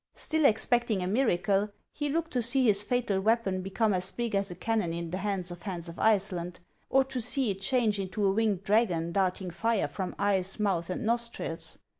Still expecting a miracle, he looked to see his fatal weapon be come as big as a cannon in the hands of Hans of Iceland, or to see it change into a winged dragon darting fire from eyes, mouth, and nostrils.